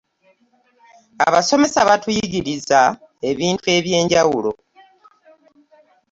Abasomesa batuyigirizza ebintu eby'enjawulo.